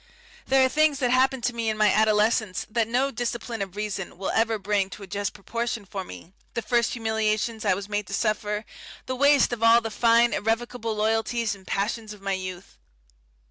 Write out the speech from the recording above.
There are things that happened to me in my adolescence that no discipline of reason will ever bring to a just proportion for me, the first humiliations I was made to suffer, the waste of all the fine irrecoverable loyalties and passions of my youth.